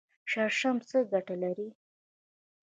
شړشم څه ګټه لري؟